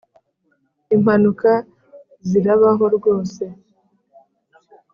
impanuka zirabaho rwose